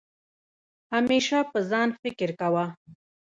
همېشه په ځان فکر کوه